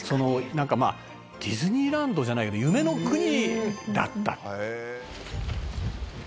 なんかまあディズニーランドじゃないけど夢の国だったと。